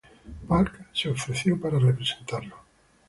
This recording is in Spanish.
Park se ofreció para representarlo.